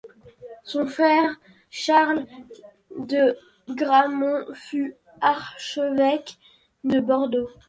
Son frère Charles de Gramont fut archevêque de Bordeaux.